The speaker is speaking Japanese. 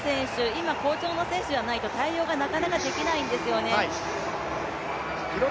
今、好調の選手じゃないと、対応がなかなかできないんですよね。